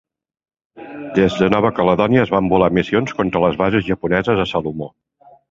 Des de Nova Caledònia es van volar missions contra les bases japoneses a Salomó.